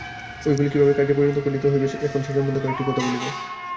ঐগুলি কিভাবে কার্যে পরিণত করিতে হইবে, এখন সে-সম্বন্ধে কয়েকটি কথা বলিব।